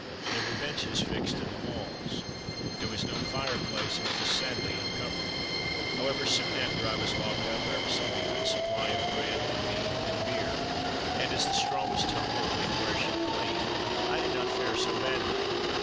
There were benches fixed in the walls. There was no fire place and it was sadly uncomfortable. However, soon after I was locked up, I received a good supply of bread, meat, and beer; and, as the straw was tolerably fresh and clean, I did not fare so badly.